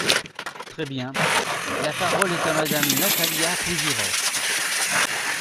Très bien ! La parole est à Madame Natalia Pouzyreff.